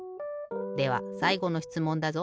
ではさいごのしつもんだぞ。